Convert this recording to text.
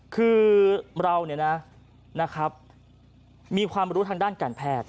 คือเรามีความรู้ทางด้านการแพทย์